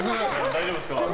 大丈夫ですか？